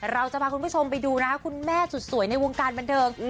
เราจะพาคุณผู้ชมไปดูนะคะคุณแม่สุดสวยในวงการบันเทิง